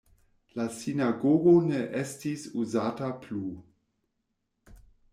La sinagogo ne estis uzata plu.